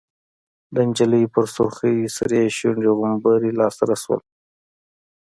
د نجلۍ په سرخۍ سره شوي غومبري لاسره شول.